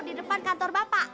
di depan kantor bapak